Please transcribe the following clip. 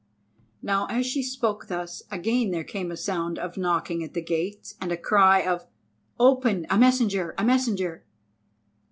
Now as she spoke thus, again there came a sound of knocking at the gates and a cry of "Open—a messenger! a messenger!"